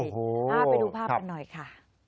ไปดูภาพกันหน่อยค่ะ